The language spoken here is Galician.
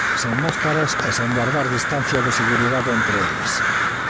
Sen máscaras e sen gardar distancia de seguridade entre eles.